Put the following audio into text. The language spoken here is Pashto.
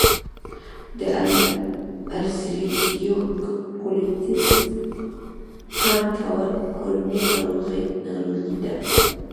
د السرېټیو کولیټس هم کولمې ناروغي ده.